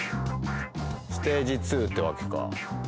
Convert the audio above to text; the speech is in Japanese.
ステージ２ってわけか。